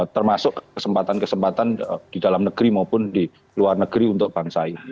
termasuk kesempatan kesempatan di dalam negeri maupun di luar negeri untuk bangsa ini